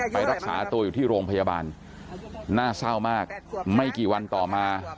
ไปรักษาตัวอยู่ที่โรงพยาบาลน่าเศร้ามากไม่กี่วันต่อมา